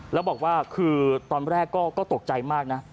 แล้วบอกว่าคือตอนแรกก็ตกใจมากนะ